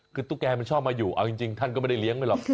คือตุ๊กแกมันชอบมาอยู่เอาจริงท่านก็ไม่ได้เลี้ยงไปหรอก